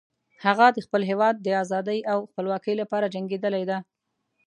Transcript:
هغه د خپل هیواد د آزادۍ او خپلواکۍ لپاره جنګیدلی ده